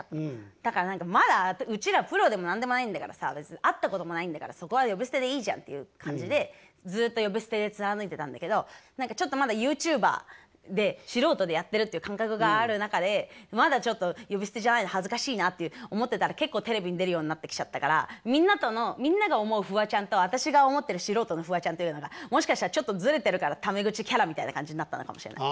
だから何か「まだうちらプロでも何でもないんだからさ別に会ったこともないんだからそこは呼び捨てでいいじゃん」っていう感じでずっと呼び捨てで貫いてたんだけどちょっとまだＹｏｕＴｕｂｅｒで素人でやってるっていう感覚がある中で「まだちょっと呼び捨てじゃないと恥ずかしいな」って思ってたら結構テレビに出るようになってきちゃったからみんなとのみんなが思うフワちゃんと私が思ってる素人のフワちゃんというのがもしかしたらちょっとずれてるからため口キャラみたいな感じになったのかもしれない。